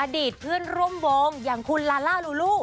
อดีตเพื่อนร่วมวงอย่างคุณลาล่าลูลู